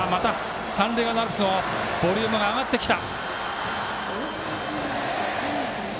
三塁側のアルプスのボリュームが上がってきた。